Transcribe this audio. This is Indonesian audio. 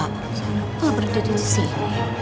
kenapa berdiri diri sih